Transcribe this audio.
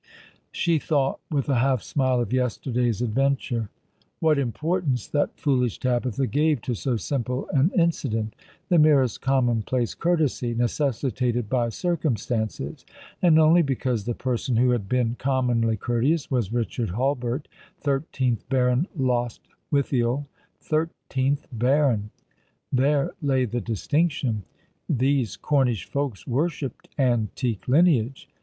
She thought, with a half smile, of yesterday's adventure. What importance that foolish Tabitha gave to so simple an incident ; the merest commonplace courtesy, necessitated by circumstances ; and only because the person who had been commonly courteous was Eichard Hulbert, thirteenth Baron Lostwithiel. Thirteenth Baron 1 There lay the distinction. These Cornish folks worshipped antique lineage.